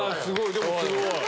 でもすごい！